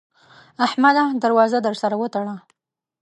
احمده! در وازه در سره وتړه.